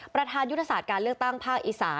ประธานยุทธศาสตร์การเลือกตั้งภาคอีสา